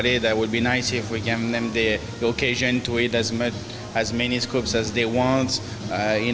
itu akan bagus jika kita memberi mereka kesempatan untuk makan sebanyak banyak rasa yang mereka inginkan